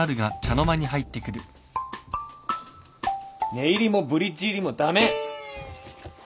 寝入りもブリッジ入りも駄目！